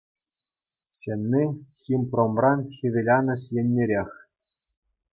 Ҫӗнни – «Химпромран» хӗвеланӑҫ еннерех.